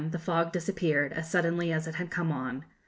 the fog disappeared, as suddenly as it had come on.